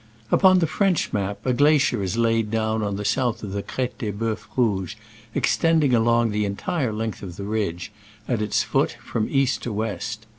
Upon the French map a glacier is laid down on the south of the Crete des Bceufs Rouges, extending along the en tire length of the ridge, at its foot, from east to west.